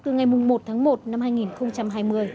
từ ngày một tháng một năm hai nghìn hai mươi